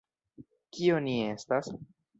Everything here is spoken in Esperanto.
Kio ni estas?